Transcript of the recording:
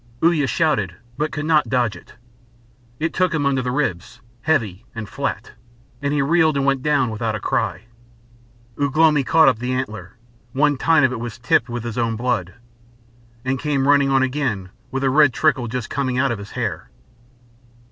Uya shouted, but could not dodge it. It took him under the ribs, heavy and flat, and he reeled and went down without a cry. Ugh lomi caught up the antler one tine of it was tipped with his own blood and came running on again with a red trickle just coming out of his hair.